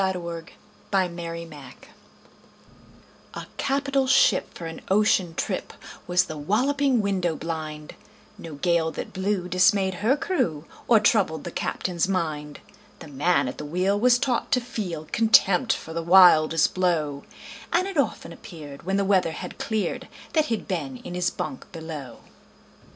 Y Z A Nautical Ballad A CAPITAL ship for an ocean trip Was The Walloping Window blind No gale that blew dismayed her crew Or troubled the captain's mind. The man at the wheel was taught to feel Contempt for the wildest blow, And it often appeared, when the weather had cleared, That he'd been in his bunk below.